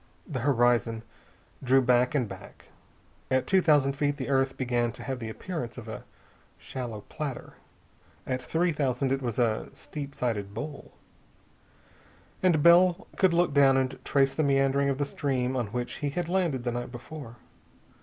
The horizon drew back and back. At two thousand feet the earth began to have the appearance of a shallow platter. At three thousand it was a steep sided bowl, and Bell could look down and trace the meandering of the stream on which he had landed the night before.